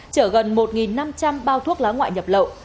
chở gần một năm trăm linh bao thuốc lá ngoại nhập lậu